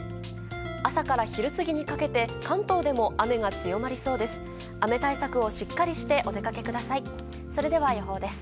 朝から昼過ぎにかけて関東でも雨が強まりそうです。